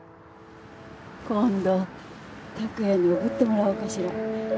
今度託也におぶってもらおうかしら。